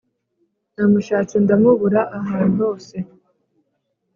Namushatse ndamubura ahantu hose